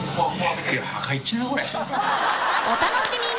お楽しみに！